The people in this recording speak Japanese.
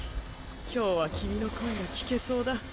今日は君の声が聞けそうだ。